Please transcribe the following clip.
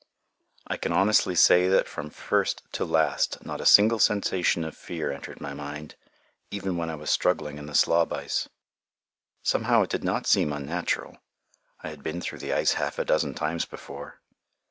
I can honestly say that from first to last not a single sensation of fear entered my mind, even when I was struggling in the slob ice. Somehow it did not seem unnatural; I had been through the ice half a dozen times before.